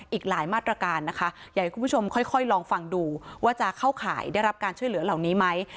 อีกหลายมาตรการนะคะอยากให้คุณผู้ชมค่อยลองฟังดูว่าจะเข้าข่ายได้รับการช่วยเหลือเหล่านี้ไหม